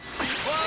うわ！